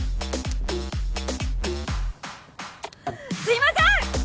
すいません！